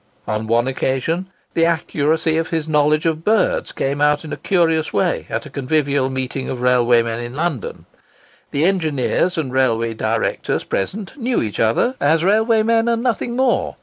On one occasion the accuracy of his knowledge of birds came out in a curious way at a convivial meeting of railway men in London. The engineers and railway directors present knew each other as railway men and nothing more.